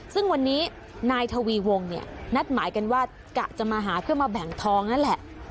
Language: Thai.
ซึ่งวันนี้นายทวีวงเนี่ยนัดหมายกันว่ากะจะมาหาเพื่อมาแบ่งทองนั่นแหละ